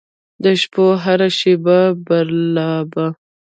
د شپو هره شیبه برالبه